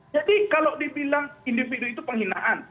jadi kalau dibilang individu itu penghinaan